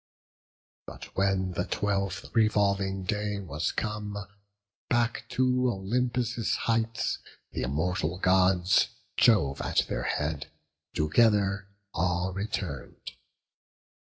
But when the twelfth revolving day was come, Back to Olympus' heights th' immortal Gods, Jove at their head, together all return'd.